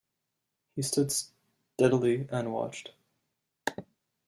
He stood stolidly and watched.